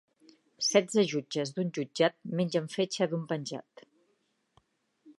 Setze jutges d'un jutjat mengen fetge d'un penjat.